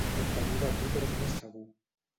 El camí batut és més segur.